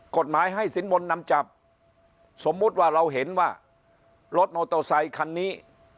กฎหมายให้สินบนนำจับสมมุติว่าเราเห็นว่ารถมอเตอร์ไซคันนี้